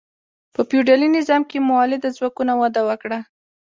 په فیوډالي نظام کې مؤلده ځواکونه وده وکړه.